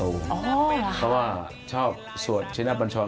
อ๋อเหรอค่ะเพราะว่าชอบสวดเชนธรรมบัญชร